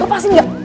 lo lepasin gak